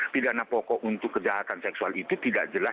pidana pokok untuk kejahatan seksual itu tidak jelas